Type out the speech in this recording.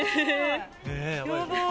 やばーい。